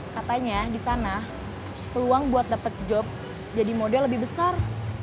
katanya di sana peluang buat dapet job jadi model lebih besar